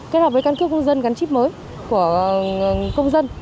kết hợp với căn cước công dân gắn chip mới của công dân